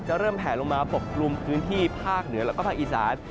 จะเริ่มแผ่งลงมาปกปรุงพื้นที่ภาคเหนือและภาคอีสาน